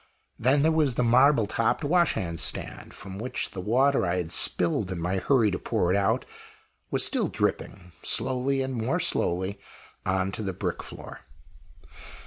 Then there was the marble topped wash hand stand, from which the water I had spilled, in my hurry to pour it out, was still dripping, slowly and more slowly, on to the brick floor.